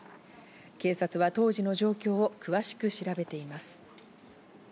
警察は当時の状況を詳しく調べています。